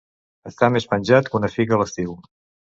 Estar més penjat que una figa a l'estiu.